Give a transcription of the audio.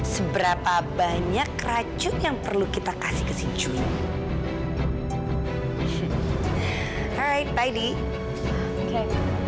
seberapa banyak racun yang perlu kita kasih ke sinjung